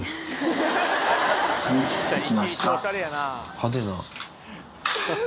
派手な。